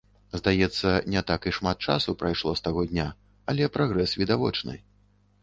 Здаецца, не так і шмат часу прайшло з таго дня, але прагрэс відавочны.